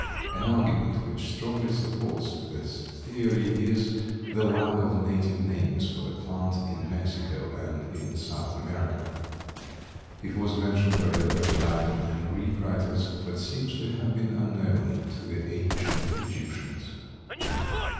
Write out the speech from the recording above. An argument which strongly supports this theory is the lack of native names for the plant in Mexico and in South America. It was mentioned by the early Latin and Greek writers, but seems to have been unknown to the ancient Egyptians.